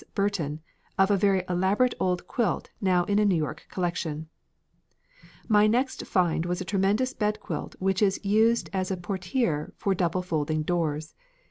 Burton of a very elaborate old quilt now in a New York collection: "My next find was a tremendous bed quilt which is used as a portière for double folding doors.